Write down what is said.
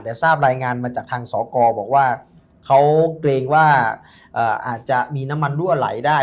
แต่ทราบรายงานมาจากทางสกบอกว่าเขาเกรงว่าอาจจะมีน้ำมันรั่วไหลได้